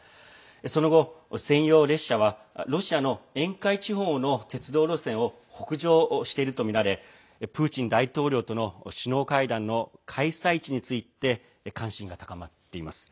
その後、専用列車はロシアの沿海地方の鉄道路線を北上しているとみられプーチン大統領との首脳会談の開催地について関心が高まっています。